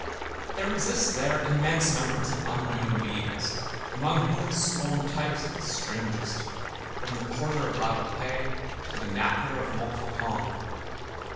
There exist there immense numbers of unknown beings, among whom swarm types of the strangest, from the porter of la Râpée to the knacker of Montfaucon.